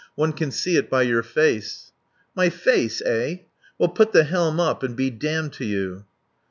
"One can see it by your face." "My face, eh? ... Well, put up the helm and be damned to you."